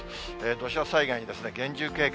土砂災害に厳重警戒。